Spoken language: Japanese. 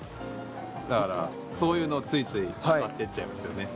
だから、そういうのをついつい、買ってっちゃいますよね。